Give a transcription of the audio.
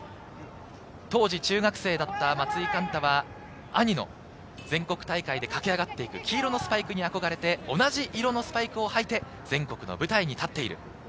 当時中学生だった松井貫太は、兄の全国大会で駆け上がっていく黄色のスパイクに憧れて同じ色のスパイクを履いて、全国の舞台に立っています。